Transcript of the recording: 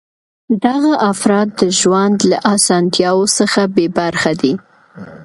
دغه افراد د ژوند له اسانتیاوو څخه بې برخې دي.